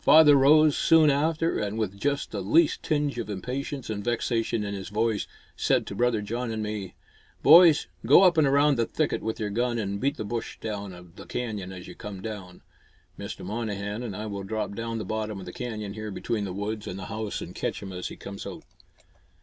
Father rose soon after and, with just the least tinge of impatience and vexation in his voice, said to brother John and me, "Boys, go up and around the thicket with your gun and beat the bush down the canyon as you come down. Mr. Monnehan and I will drop down to the bottom of the canyon here between the woods and the house and catch him as he comes out."